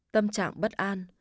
tâm trạng bất an